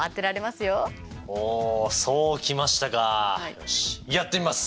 よしやってみます！